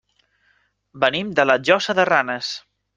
Venim de la Llosa de Ranes.